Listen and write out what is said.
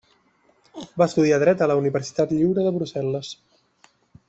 Va estudiar dret a la Universitat Lliure de Brussel·les.